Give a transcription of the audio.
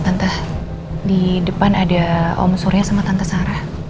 tante di depan ada om suria sama tante sarah